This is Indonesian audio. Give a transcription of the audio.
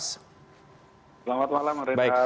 selamat malam rizal